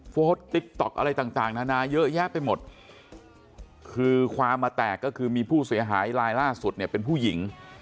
ติ๊กต๊อกอะไรต่างนานาเยอะแยะไปหมดคือความมาแตกก็คือมีผู้เสียหายลายล่าสุดเนี่ยเป็นผู้หญิง